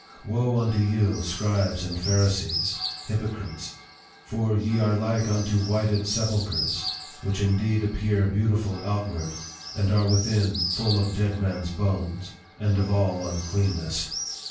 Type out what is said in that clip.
Woe unto you, scribes and Pharisees, hyp ocrites ! for ye are like unto whited sepulchres, which indeed appear beautiful outward, but are within full of dead men's bones, and of all uncleanness.